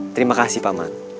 terima kasih pak mat